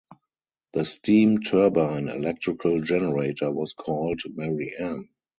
The steam turbine electrical generator was called Mary-Ann.